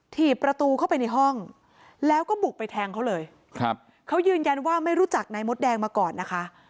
ถีบประตูเข้าไปในห้องแล้วก็บุกไปแทงเขาเลยครับเขายืนยันว่าไม่รู้จักนายมดแดงมาก่อนนะคะ